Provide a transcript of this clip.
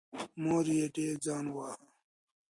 مور یې ډېر ځان وواهه.